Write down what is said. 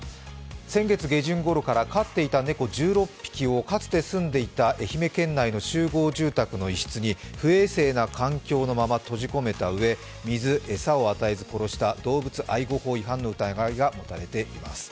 先月下旬ごろから飼っていた猫１６匹をかつて住んでいた愛媛県内の集合住宅の一室に不衛生な環境のまま閉じ込めたうえ、水・餌を与えず殺した動物愛護法違反の疑いが持たれています。